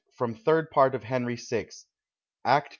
FROM " THIRD PART OF HENRY VI.," ACT II.